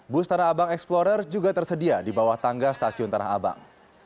bus tanah abang explorer juga tersedia di bawah tangga stasiun tanah abang